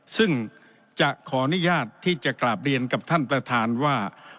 ซึ่งจะขออนุญาตที่จะกราบเรียนกับท่านประธานว่า